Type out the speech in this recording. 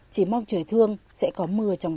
chỉ mong trời thương sẽ có mưa trong